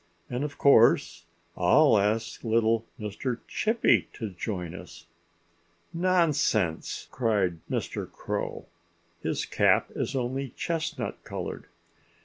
"And of course I'll ask little Mr. Chippy to join us." "Nonsense!" cried Mr. Crow. "His cap is only chestnut colored."